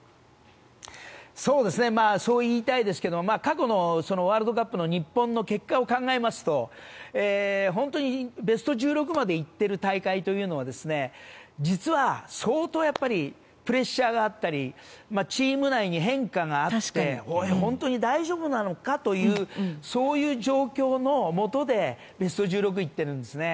そう言いたいですけど過去のワールドカップの日本の結果を考えますと本当にベスト１６まで行っている大会というのは実は相当プレッシャーがあったりチーム内に変化があって本当に大丈夫なのかというそういう状況のもとでベスト１６に行っているんですね。